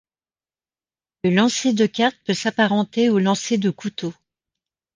Le lancer de cartes peut s'apparenter au lancer de couteaux.